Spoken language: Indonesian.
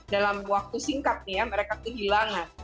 dalam waktu singkat nih ya mereka kehilangan